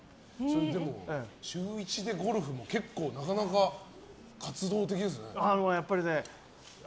でも、週１でゴルフも結構なかなか活動的ですね。